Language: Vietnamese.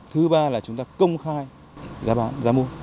thứ ba là chúng ta công khai giá bán giá mua